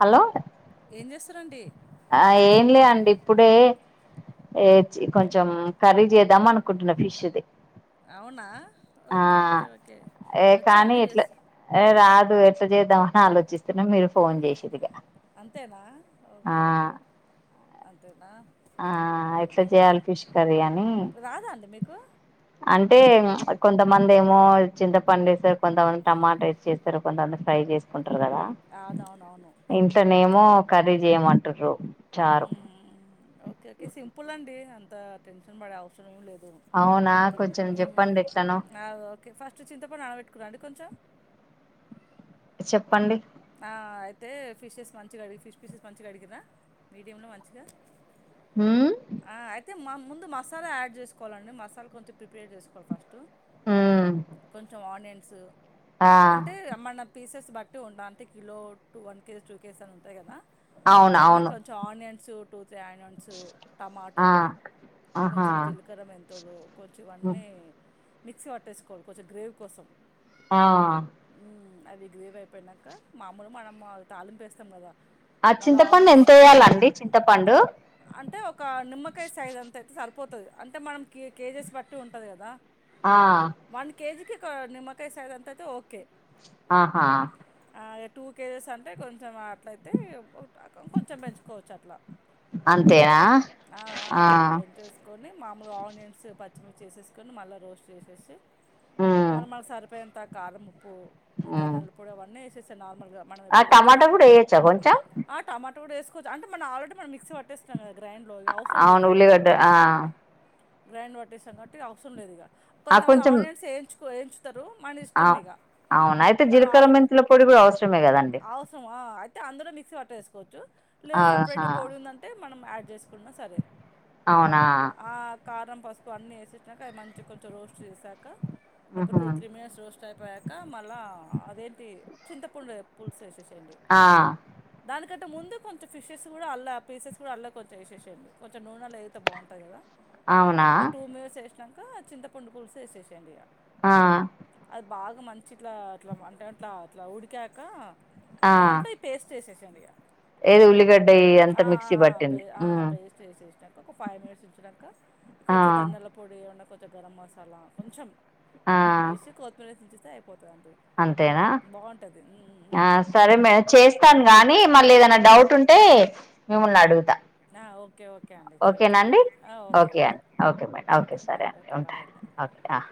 Hello చరండి ఆ ఏంలే అండి ఇప్పుడే కొంచెం కర్రీ చేద్దాం అనుకుంటున్న ఫిష్ది అవునా ఆ ఓకే ఓకే ఓకే ఏ వచ్చా అండి ఫ ఇష్ట చేద్దామని ఆలోచిస్తున్నా మీరు ఫోన్ చేసేదిగాా అంతేనా ఓకే ఓకే అంతేనా ఆ ఎట్లా మ్మ్ చేయాలి ఫిష్ కర్రీ అని రాదా అండి మీకు అంటే కొంతమంది ఏమో చింతపండు వేస్తారు కొంతమంది టమాటా వసి చేస్తారు కొంతమంది ఫ్రై చేస్తారు ఉంటారుకదా అవునవునవును ఇంట్లోనేమో చేయమంటుర్రు చారు ఓకే ఓకే సింపుల్ అండి అం అంత టెషన్ బడే అవసరం లేదు అవునా కొంచెం చెప్పండి ఎట్లనో ఓకే ఫస్ట్ చింతపడు నానబెట్టుకున్నారా అండి కొంచెం చెప్పండి ఆ అయితే ఫిషెస్ మంచిగా కడిగి ఫిష్ పీసెస్ మంచిగా కడిగరా మీడియంలో మంచిగా హూ ఆ అయితే మా ముందు మసాలా యాడ్ చేసుకోవాలండి మసాలా కొంచెం ప్రిపేర్ చేసుకోవాలి ఫస్ట్ ఉమ్ కొంచెం ఆనియన్ స ఆ అంటే మన పీసెస్ బట్టి ఉండి అంటే kilo two one KG two KG అని ఉంటాయి కదా అవును దానికి అవును కొంచెం ఆనియన్స్ [unintelligible] ఆ టమాటోలు ఆహా కొంచెం జీలకర మెంతులు ఆ తొరు కొంచెం అన్నీ మిక్సీట్టేసుకోవాలి కొంచెం గ్రేవీ కోసం ఆ మ్మ్. అవి గ్రీవ్ అయిపోయినాక మామూలుగా మనం తాలింపేస్తాం కదా ఆ మళ్ళీ చింతపండు ఆనియన్స్ ఎంత వయ్యాలండి చింతపండు నిమ్మకై సైజ్ అంత అయితే సరిపో పోతుంది అంటే మనం కేజెస్ బట్టి ఉంటంది కదా ఆ వన్ కేజీకి నిమ్మకాయ సైజు అంత అయితే ఓకే ఆహా టూ కేజెస్ అంటే కొంచెం అట్లయితే కొంచెం పెంచుకోవచ్చు అట్లా అంతేనా ఆ మామూలుగా ఆనియన్స్ పచ్చిమిర్చి వేసేసుకొని మల్ల రోస్ట్ చేసేసి ఉమ్ మన మనకు సరిపోయేంత కారం ఉమ్ ధనియాల పొడి అవన్నీ యేసు సనా మనం ఆ ఎప్పుడ టమాటా కూడా ఎసుకుంటాం వేయొచ్చా కొంచెం టమాట ఎస్కోవచు మన ఆల్రడీ మిక్స్ పట్టే స అవును ఉల్లిగడ్డ గ్రైండ్ పట్టేసం కాబటి అవసరం లేదు ఇక ఆ కొంతమంది కొంచెం ఆనియన్స్ వేయించు వెంచు మన ఆ ఇష్టం ఇక అవును అయితే మనం జీలకర్ర మెంతుల పొడి కూడా అవసరమే కదండి అవసరమా అయితే అందలో మిక్సీ పట్టేసుకుని కోవచు లేదు సపరేట్ ఆహా గా పొడి మనం యాడ్ సరే అవునా ఆ కారం పసుపు అన్నీసేసాక అవి మంచిగా కొంచెం రోస్ట్ చేసాక ఒక ఉహు టూ త్రీ మినిట్స్ చయ్ అయిపోయాక మళ్ళా అదేంటి చింతపండు పులుసు ఎసేసి యండి ఆ దానిక్ గంట ముందు కొంచెం ఫిషెస్ గూడా అల పీసెస్ కూడా అందులో కొంచెం వేసేసేండి కొంచెం నూనెలో ఎగితే బావుంటాయి కదా. అవునా ఒక టూ మినిట్స్ ఎస్ ట్లంకా చింతపండు పులుస్ వేసేసేండిగ ఆహ్ బాగా మంచి ఇట్లా అట్లా అంటే అట్లా ఇట్లా ఉడికాక. ఆ దాంట్లో ఈ పేస్ట్ ఎసేసి చండి గ ఏది ఉల్లిగడ్ ఆహ్హ్హ్‌హ్‌ పె ఆహ్ పేస్ట్ వేసేసినాక ఒక ఫైవ్ మినిట్స్ ఉంచినాక ఆ కొంచెం ధన్యాల పొడి ఏవన్నా కొ చ గరం మసాలా కొంచెం ఆ ఎసి కొత్తిమీర్ ఇచ్ అంతేనా ఉమ్ ఉమ్ ఉమ్ ఆహ్ ఉమ్. సరే మే చేస్తాను గాని మళ్ళీ ఏదైనా డౌట్ ఉంటే. మిమ్మల్ని అడుగుతా ఆహ్ ఓకే ఓకే అండి చేండి ఓకేనా చేేండి అండి ఆహ్ ఓకే అండి ఓకే మేడం ఓకే అండి సరే ఓకే ఉంటా బాయ్ అండ ఓకే